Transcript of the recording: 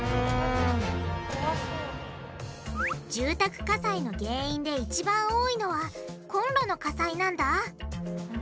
住宅火災の原因でいちばん多いのはこんろの火災なんだ